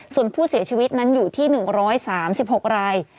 ส่วนผู้เสียชีวิตนั้นอยู่ที่๑๓๖ราย